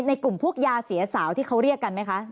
ในกลุ่มพวกยาเสียสาวที่เขาเรียกกันไหมคะ